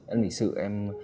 em lịch sự em